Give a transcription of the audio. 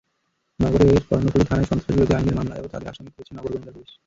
নগরের কর্ণফুলী থানায় সন্ত্রাসবিরোধী আইনের মামলায়ও তাঁদের আসামি করেছে নগর গোয়েন্দা পুলিশ।